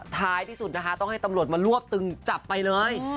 ท้ายที่สุดนะคะต้องให้ตำรวจมารวบตึงจับไปเลย